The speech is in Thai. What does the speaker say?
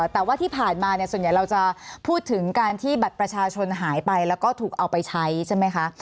แต่ว่าที่ผ่านมาเนี่ยส่วนใหญ่เราจะพูดถึงการที่บัตรประชาชนหายไปแล้วก็ถูกเอาไปใช้ใช่ไหมคะ